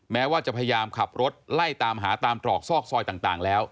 แม้ว่าจะพยายามขับรถไล่ตามหาตามตรอกซอกซอยต่างแล้ว